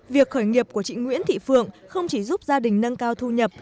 việc khởi nghiệp của chị nguyễn thị phượng không chỉ giúp gia đình nâng cao thu nhập